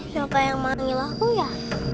siapa yang manggil aku ya